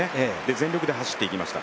全力で走っていきました。